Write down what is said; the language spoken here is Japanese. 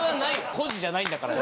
コジじゃないんだから。